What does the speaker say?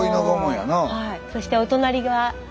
そしてお隣が。